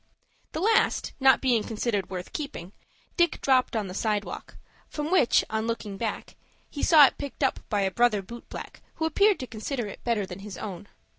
The last, not being considered worth keeping, Dick dropped on the sidewalk, from which, on looking back, he saw it picked up by a brother boot black who appeared to consider it better than his own.